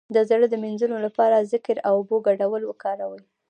د زړه د مینځلو لپاره د ذکر او اوبو ګډول وکاروئ